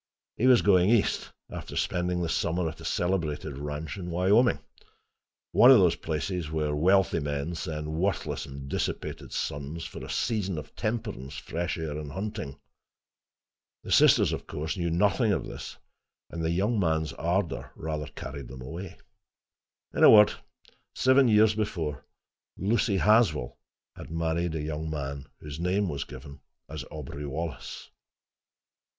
He was going east, after spending the summer at a celebrated ranch in Wyoming—one of those places where wealthy men send worthless and dissipated sons, for a season of temperance, fresh air and hunting. The sisters, of course, knew nothing of this, and the young man's ardor rather carried them away. In a word, seven years before, Lucy Haswell had married a young man whose name was given as Aubrey Wallace.